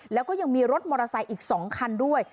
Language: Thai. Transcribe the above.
แล้วก็ยังมีรถมอเตอร์ไซค์อีก๒คันด้วย